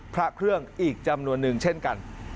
พระเครื่องอีกจำนวนนึงเช่นกัน